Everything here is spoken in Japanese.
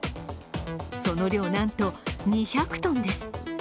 その量、なんと２００ｔです。